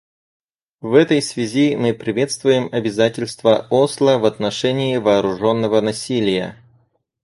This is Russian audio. В этой связи мы приветствуем Обязательства Осло в отношении вооруженного насилия.